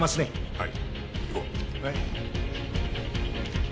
はい。